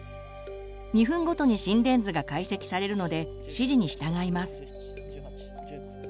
２分ごとに心電図が解析されるので指示に従います。